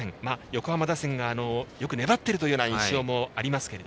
横浜打線がよく粘っているという印象もありますが。